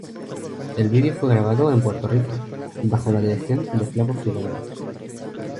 El video fue grabado en Puerto Rico, bajo la dirección de Flaco Figueroa.